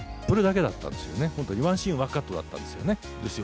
それだけだったんですよね、本当にワンシーンワンカットだったんですよね。